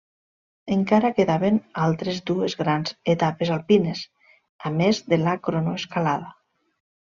Encara quedaven altres dues grans etapes alpines, a més de la cronoescalada.